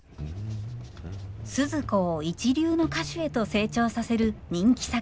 スズ子を一流の歌手へと成長させる人気作曲家羽鳥善一。